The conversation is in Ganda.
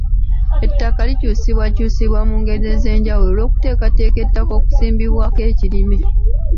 Ettaka likyusibwakyusibwa mu ngeri ez’enjawulo olw’okuteekateeka ettaka okusimbibwako ekirime.